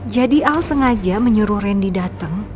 jadi al sengaja menyuruh randy datang